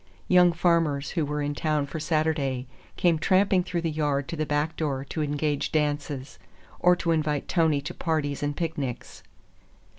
Young farmers who were in town for Saturday came tramping through the yard to the back door to engage dances, or to invite Tony to parties and picnics.